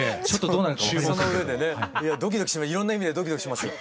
いろんな意味でドキドキしますよ。